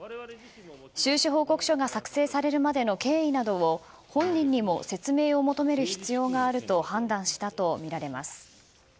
収支報告書が作成されるまでの経緯などを本人にも説明を求める必要があると判断したとみられます。